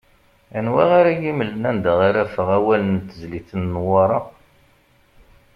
Anwa ara yi-mmlen anda ara afeɣ awalen n tezlit n Newwaṛa?